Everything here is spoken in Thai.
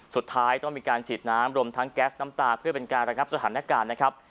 สุดท้ายต้องมีการฉีดน้ำรวมทั้งแก๊สน้ำตาเพื่อเป็นการระงับสถานการณ์นะครับ